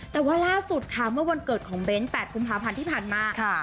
แต่ว่าล่าสุดค่ะเมื่อวันเกิดของเบ้น๘กุมภาพันธ์ที่ผ่านมาค่ะ